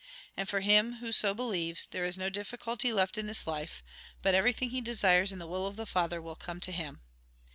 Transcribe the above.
And for him who so believes, there is no diffi culty left in his life, but everything he desires in the will of the Father will come to him.